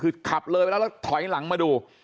คือขับเลยแล้วถอยหลังมาดู